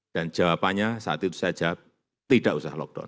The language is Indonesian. dan jawabannya saat itu saya jawab tidak usah lockdown